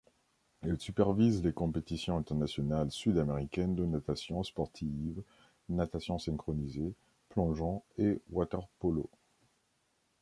Elle supervise les compétitions internationales sud-américaines de natation sportive, natation synchronisée, plongeon et water-polo.